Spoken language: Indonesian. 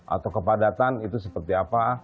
atau kepadatan itu seperti apa